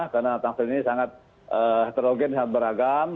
karena tangsel ini sangat heterogen dan beragam